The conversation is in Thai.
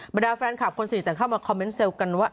บรรดาแฟนคลับคนสนิทต่างเข้ามาคอมเมนต์เซลล์กันว่า